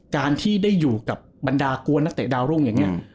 การที่ได้อยู่กับบรรดากวนนักเตะดาวรุ่งอย่างนี้